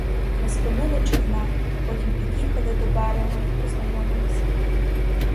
Ми спинили човна, потім під'їхали до берега й познайомились.